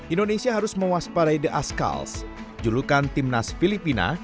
indonesia harus mewaspadai the ascals julukan tim nas filipina